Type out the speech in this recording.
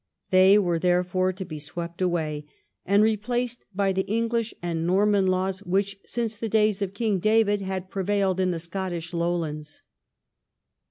They were therefore to be swept away, and replaced by the English and Norman laws which, since the days of King David, had prevailed in the Scottish Lowlands.